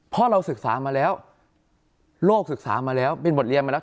เพราะเราศึกษามาแล้วโลกศึกษามาแล้วเป็นบทเรียนมาแล้ว